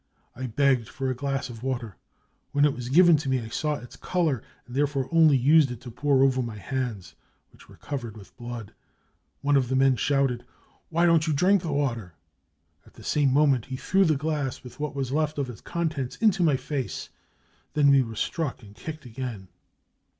I begged for a glass of water. When it was given to me I saw its colour and therefore only used it to pour over my hands, which were covered with blood. One of the men shouted :' Why don't you drink the water ? 5 At the same moment he threw the glass with what was left of its contents into my face. Then we were struck and kicked again.